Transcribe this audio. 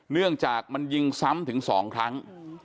เนื่องจากมันยิงซ้ำถึง๒ครั้ง